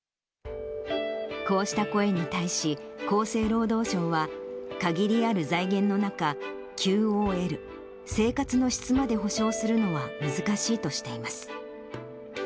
こうした声に対し、厚生労働省は、限りある財源の中、ＱＯＬ・生活の質まで保障するのは難しいとしています。